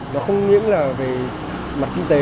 nó không những là về mặt kinh tế